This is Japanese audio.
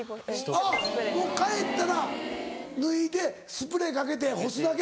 もう帰ったら脱いでスプレーかけて干すだけ。